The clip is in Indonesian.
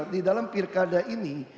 di dalam pirkada ini